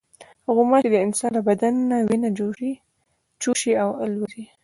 غوماشې د انسان له بدن نه وینه چوشي او الوزي.